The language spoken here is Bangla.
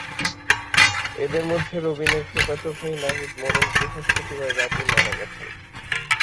এঁদের মধ্যে রবিনের ফুফাতো ভাই নাহিদ মোড়ল বৃহস্পতিবার রাতেই মারা গেছেন।